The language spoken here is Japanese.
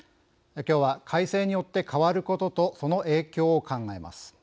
きょうは改正によって変わることとその影響を考えます。